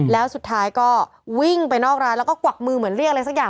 แล้วสุดท้ายก็วิ่งไปนอกร้านแล้วก็กวักมือเหมือนเรียกอะไรสักอย่าง